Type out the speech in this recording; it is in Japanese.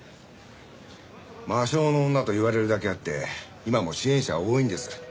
魔性の女と言われるだけあって今も支援者は多いんです。